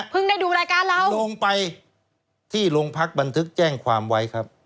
ได้ดูรายการเราลงไปที่โรงพักบันทึกแจ้งความไว้ครับ